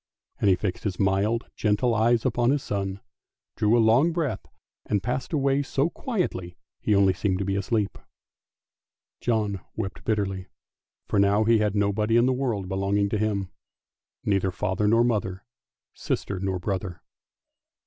" and he fixed his mild, gentle eyes upon his son, drew a long breath and passed away so quietly, he only^seemed to be asleep. John wept bitterly, for now he had nobody in the world belonging to him, neither father nor mother, sister nor brother.